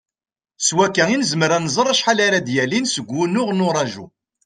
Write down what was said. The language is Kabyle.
S wakka i nezmer ad nẓer acḥal ara d-yalin seg wumuɣ n uraju.